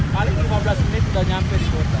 paling lima belas menit sudah nyampe di kota